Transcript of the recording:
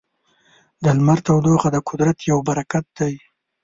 د لمر تودوخه د قدرت یو برکت دی.